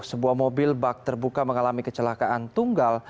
sebuah mobil bak terbuka mengalami kecelakaan tunggal